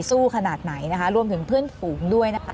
ขนาดไหนนะคะรวมถึงเพื่อนฝูงด้วยนะคะ